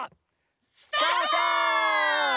スタート！